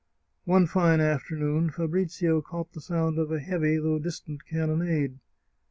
One fine afternoon Fabrizio caught the sound of a heavy though distant cannonade.